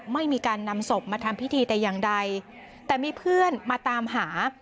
ไม่มีการนำศพมาทำพิธีแต่อย่างใดแต่มีเพื่อนมาตามหา